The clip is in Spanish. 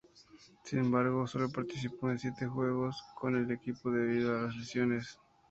Sin embargo, solo participó e siete juegos con el equipo debido a las lesiones.